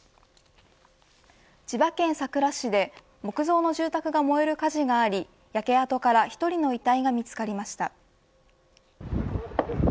千葉県佐倉市で木造の住宅が燃える火事があり焼け跡から１人の遺体が見つかりました。